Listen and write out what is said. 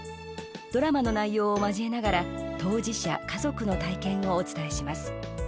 ドラマの内容を交えながら当事者、家族の体験をお伝えします。